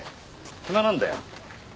暇なんだよ。